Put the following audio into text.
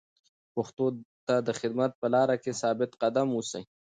پښتو ته د خدمت په لاره کې ثابت قدم اوسئ.